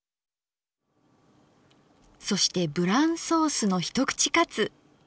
そしてブランソースの一口かつ。